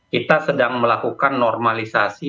kita sedang melakukan normalisasi